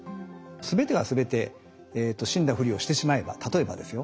全てが全て死んだふりをしてしまえば例えばですよ